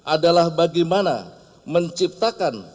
adalah bagaimana menciptakan